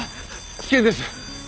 危険です！